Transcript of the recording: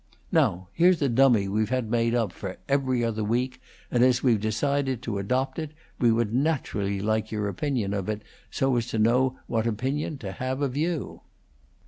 Now here's a dummy we've had made up for 'Every Other Week', and as we've decided to adopt it, we would naturally like your opinion of it, so's to know what opinion to have of you."